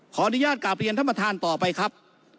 ขออนุญาตกลับเรียนท่านประธานต่อไปครับ